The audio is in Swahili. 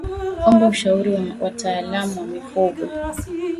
Omba ushauri wa wataalamu wa mifugo